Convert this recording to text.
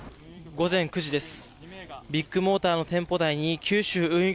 午前９時です。